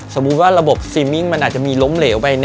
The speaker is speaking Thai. สมมุติว่าระบบซีมิ้งมันอาจจะมีล้มเหลวไป